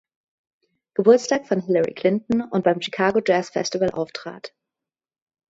Geburtstag von Hillary Clinton und beim Chicago Jazz Festival auftrat.